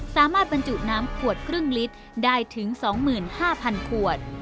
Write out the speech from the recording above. บรรจุน้ำขวดครึ่งลิตรได้ถึง๒๕๐๐๐ขวด